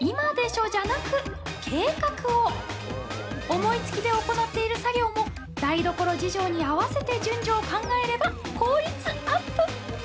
思いつきで行っている作業も台所事情に合わせて順序を考えれば効率アップ！